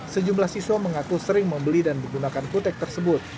sejumlah siswa mengaku sering membeli dan menggunakan kutek tersebut